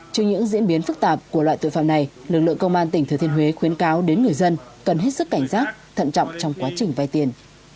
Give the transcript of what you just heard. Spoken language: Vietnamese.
trước những diễn biến phức tạp của loại tội phạm này lực lượng công an tỉnh thừa thiên huế khuyến cáo đến người dân cần hết sức cảnh giác thận trọng trong quá trình vay tiền